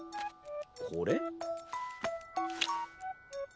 「これ」？